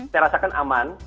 saya rasakan aman